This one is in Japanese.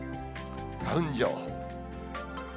花粉情報。